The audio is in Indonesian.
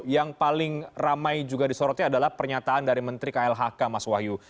yang paling ramai juga disorotnya adalah pernyataan dari menteri klhk mas wahyu